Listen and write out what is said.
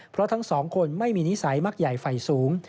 เพราะทั้งสองคนไม่มีนิสัยมักใหญ่ไฟสูง